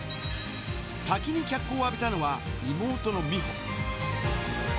先に脚光を浴びたのは、妹の美帆。